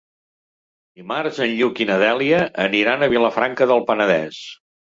Dimarts en Lluc i na Dèlia aniran a Vilafranca del Penedès.